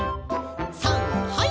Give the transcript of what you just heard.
さんはい。